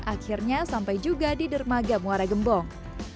akhirnya sampai juga di dermaga muara gembong